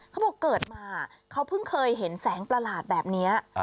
เขาบอกเกิดมาเขาเพิ่งเคยเห็นแสงประหลาดแบบนี้